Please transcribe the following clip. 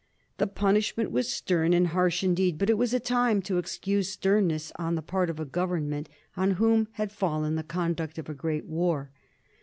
The punishment was stem and harsh indeed, but it was a time to excuse sternness on the part of a government on whom had fallen the conduct of a great war.